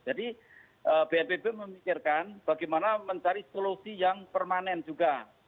jadi bnpb memikirkan bagaimana mencari solusi yang permanen juga